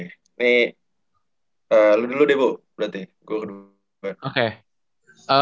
nih lu dulu deh bu berarti gue kedua